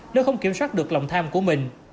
nếu không kiểm soát được lòng tham của mình